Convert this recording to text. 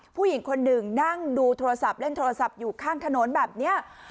ผู้หญิงคนหนึ่งนั่งดูโทรศัพท์เล่นโทรศัพท์อยู่ข้างถนนแบบนี้